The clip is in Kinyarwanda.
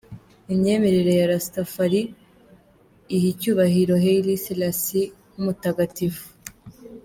Imyemerere ya Rastafari iha icyubahiro Haile Selassie nk’umutagatifu.